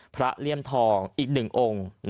พระเรียมทองอีก๑องค์